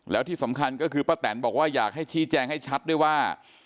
แล้วที่สำคัญก็คือป้าแตนบอกว่าอยากให้ชี้แจงให้ชัดด้วยว่า